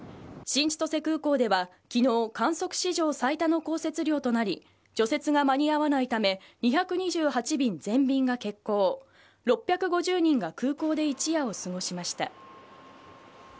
新千歳空港ではきのう、観測史上最多の降雪量となり、除雪が間に合わないため、２２８便全便が欠航、６５０人が空港で一夜を過ごしました。